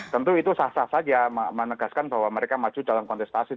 tentu itu sah sah saja menegaskan bahwa mereka maju dalam kontestasi